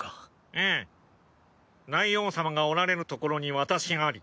ええ大王様がおられるところに私あり。